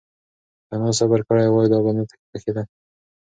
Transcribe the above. که انا صبر کړی وای، دا به نه پېښېدل.